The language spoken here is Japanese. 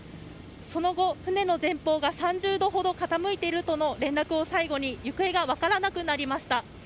その後、船の前方が３０度ほど傾いているとの連絡を最後に行方が分からなくなりました。